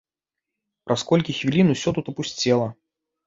Праз колькі хвілін усё тут апусцела.